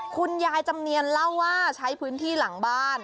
คุณยายจำเนียนเล่าว่าใช้พื้นที่หลังบ้าน